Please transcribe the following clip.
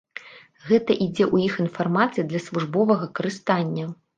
Гэта ідзе ў іх інфармацыя для службовага карыстання.